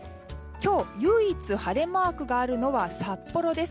今日唯一、晴れマークがあるのは札幌です。